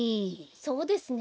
そうですね。